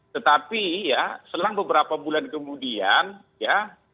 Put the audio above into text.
tetapi ya selang beberapa bulan kemudian ya